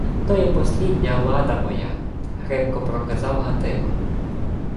— То є послідня лада моя, — хрипко проказав Гатило.